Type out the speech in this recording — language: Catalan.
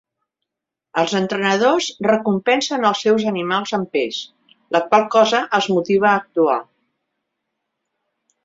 Els entrenadors recompensen els seus animals amb peix, la qual cosa els motiva a actuar.